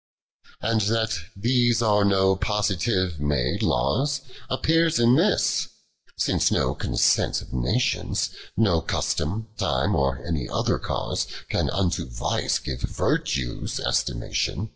11. And that these are no positive made laws. Appears in this, since no consent of Nations, No custome, time, or any other cause Can unto Vice give Vertuc's estimation.